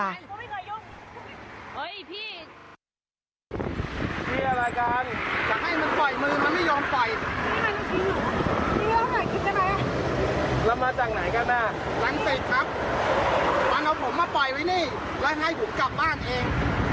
มันมาปล่อยไว้นี่แล้วให้ผมกลับบ้านเอง